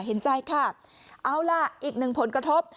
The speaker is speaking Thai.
เห็นใจค่ะเอาล่ะอีกหนึ่งผลกระทบ